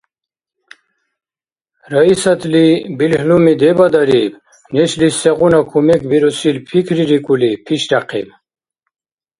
Раисатли билгьлуми дебадариб. Нешлис сегъуна кумекбирусил пикририкӀули, пишряхъиб.